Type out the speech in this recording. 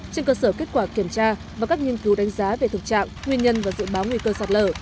trên cơ sở kết quả kiểm tra và các nghiên cứu đánh giá về thực trạng nguyên nhân và dự báo nguy cơ sạt lở